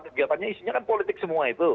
kegiatannya isinya kan politik semua itu